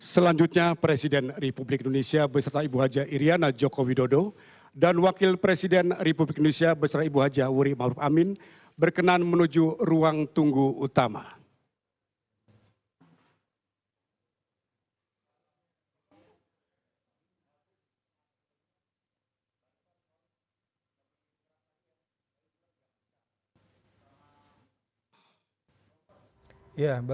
selanjutnya kepada yang termat presiden republik indonesia berkenan kembali ke tempat semula